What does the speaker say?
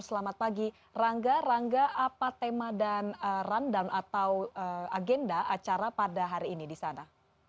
selamat pagi rangga rangga apa tema dan rundown atau agenda acara pada hari ini di sana